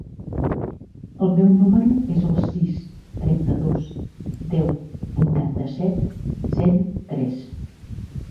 El meu número es el sis, trenta-dos, deu, vuitanta-set, zero, tres.